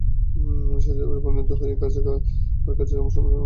আমি স্বেচ্ছাপ্রণোদিত হয়ে তার কাছে আমার স্বামীর দণ্ডাদেশ মওকুফের আবেদন নিয়ে গিয়েছিলাম।